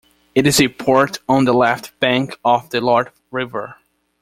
It is a port on the left bank of the Lot River.